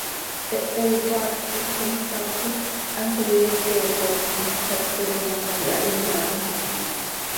Hehe icaapjöquij com cötaapjöquij, hanso iyoqueepojquim, xepe com ano cöihahíyatim hac.